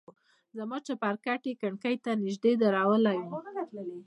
زما چپرکټ يې کړکۍ ته نژدې درولى و.